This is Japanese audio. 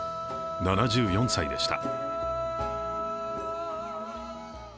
７４歳でした。